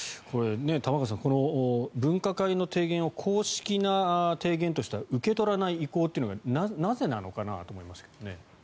玉川さん、分科会の提言を公式な提言としては受け取らない意向というのがなぜなのかなと思いますけどね。